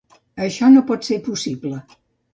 Això no pot ser possible.